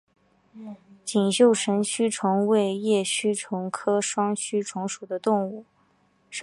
锦绣神须虫为叶须虫科双须虫属的动物。